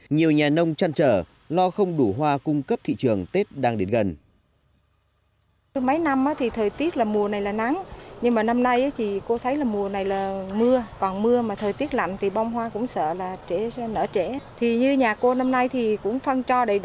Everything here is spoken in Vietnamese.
nhiều nhà nông chăn trở lo không đủ hoa cung cấp thị trường tết đang đến gần